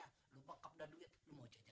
lupa kapan duit